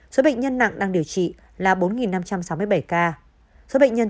số bệnh nhân tử phong